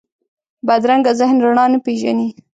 بدرنګه ذهن رڼا نه پېژني